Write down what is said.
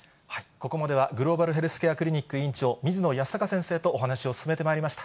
ここまではグローバルヘルスケアクリニック院長、水野泰孝先生とお話を進めてまいりました。